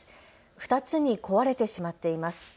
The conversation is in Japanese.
２つに壊れてしまっています。